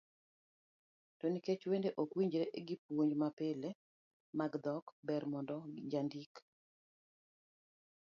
To nikech wende ok winjre gi puonj mapile mag dhok, ber mondo jandik